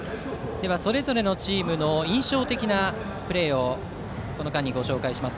それぞれのチームの印象的なプレーをこの間にご紹介します。